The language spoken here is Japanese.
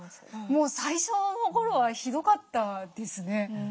もう最初の頃はひどかったですね。